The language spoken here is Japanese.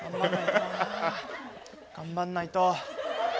頑張んないと。